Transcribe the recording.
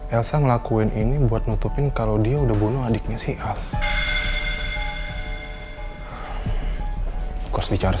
elsa ngelakuin ini buat nutupin kalau dia udah bunuh adiknya si a